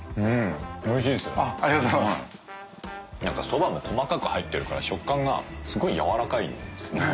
そばも細かく入ってるから食感がすごい軟らかいんですね。